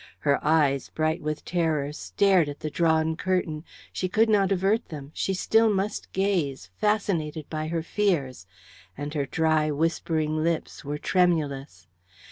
Her eyes, bright with terror, stared at the drawn curtain; she could not avert them; she still must gaze, fascinated by her fears; and her dry, whispering lips were tremulous.